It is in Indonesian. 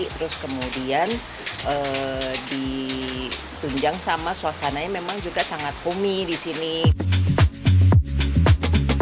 terus kemudian ditunjang sama suasananya memang juga sangat homey di sini